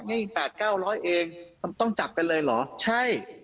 นี่แปดเก้าร้อยเองต้องจับกันเลยเหรอใช่